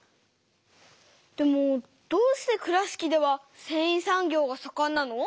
でもどうして倉敷ではせんい産業がさかんなの？